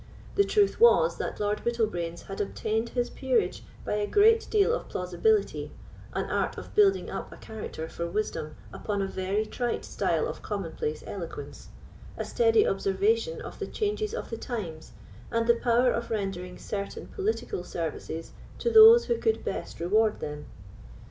The truth was, that Lord Bittlebrains had obtained his peerage by a good deal of plausibility, an art of building up a character for wisdom upon a very trite style of commonplace eloquence, a steady observation of the changes of the times, and the power of rendering certain political services to those who could best reward them.